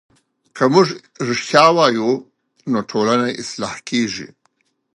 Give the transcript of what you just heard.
که موږ رښتیا وایو نو ټولنه اصلاح کېږي.